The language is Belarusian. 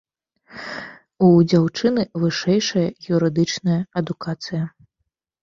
У дзяўчыны вышэйшая юрыдычная адукацыя.